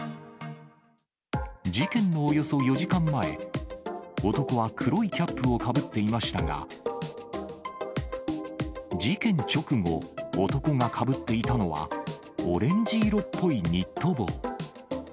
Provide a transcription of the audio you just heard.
事件のおよそ４時間前、男は黒いキャップをかぶっていましたが、事件直後、男がかぶっていたのは、オレンジ色っぽいニット帽。